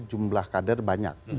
jumlah kader banyak